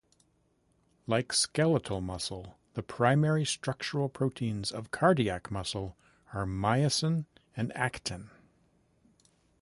Like skeletal muscle, the primary structural proteins of cardiac muscle are myosin and actin.